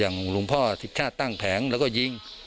อย่างลุงพ่อศิกชาติตั้งแผงแล้วก็ยิง